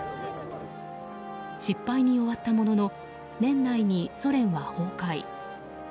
失敗に終わったものの年内にソ連は崩壊。